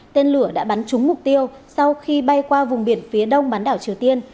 tên lửa đã bắn trúng mục tiêu sau khi bay qua vùng biển phía đông bán đảo triều tiên